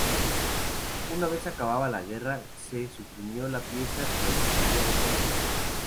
Una vez acabada la guerra se le suprimió la pieza de artillería de popa.